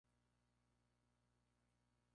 Fue fundador y director del periódico "El Ensayo".